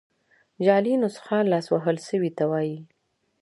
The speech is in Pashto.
جعلي نسخه لاس وهل سوي ته وايي.